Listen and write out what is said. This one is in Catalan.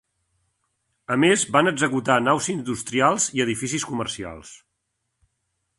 A més van executar naus industrials i edificis comercials.